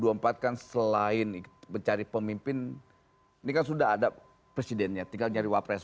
dengan dua ribu dua puluh empat kan selain mencari pemimpin ini kan sudah ada presidennya tinggal nyari wapres